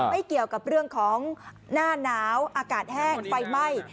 ไม่เกี่ยวกับเรื่องของหน้าหนาวอากาศแห้งไฟไหม้